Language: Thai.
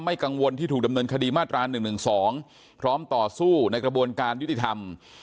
กังวลที่ถูกดำเนินคดีมาตรา๑๑๒พร้อมต่อสู้ในกระบวนการยุติธรรม